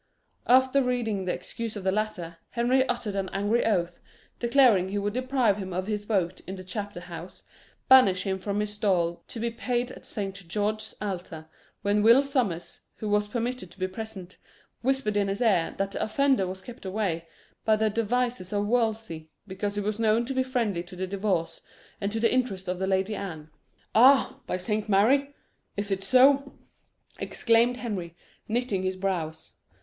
After reading the excuse of the latter, Henry uttered an angry oath, declaring he would deprive him of his vote in the chapter house, banish him from his stall, and mulct him a hundred marks, to be paid at Saint George's altar, when Will Sommers, who was permitted to be present, whispered in his ear that the offender was kept away by the devices of Wolsey, because he was known to be friendly to the divorce, and to the interests of the lady Anne. "Aha! by Saint Mary, is it so?" exclaimed Henry, knitting his brows.